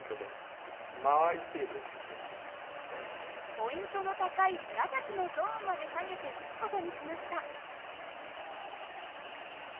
ポイントの高い紫のゾーンまで下げて撃つ事にしました。